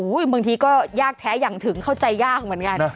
บางทีก็ยากแท้อย่างถึงเข้าใจยากเหมือนกัน